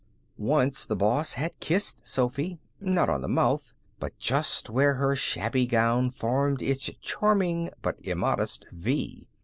Once the boss had kissed Sophy not on the mouth, but just where her shabby gown formed its charming but immodest V.